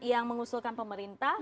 yang mengusulkan pemerintah